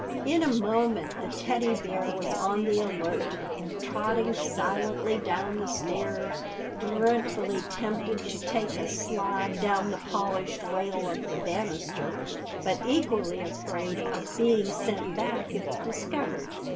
In a moment the Teddy Bear was on the alert, trotting silently down the stairs, dreadfully tempted to take a slide down the polished rail of the banister, but equally afraid of being sent back if discovered.